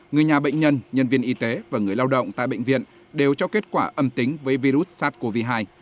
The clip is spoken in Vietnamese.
người nhà bệnh nhân nhân viên y tế và người lao động tại bệnh viện đều cho kết quả âm tính với virus sars cov hai